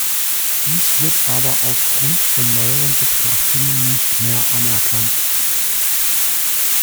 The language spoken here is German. Dies wird aber aufgrund von neueren Betrachtungen nicht mehr anerkannt.